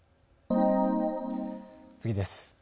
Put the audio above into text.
次です。